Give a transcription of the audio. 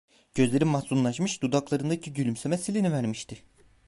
Gözleri mahzunlaşmış, dudaklarındaki gülümseme silinivermişti.